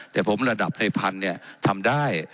แต่ผมระดับในพันธุ์ทำได้